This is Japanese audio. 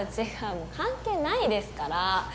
もう関係ないですから。